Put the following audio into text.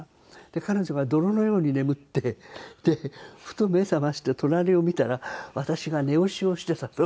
で彼女は泥のように眠ってふと目覚まして隣を見たら私が寝押しをしていたの。